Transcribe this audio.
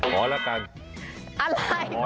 ขอแล้วกันอะไรขอเล่า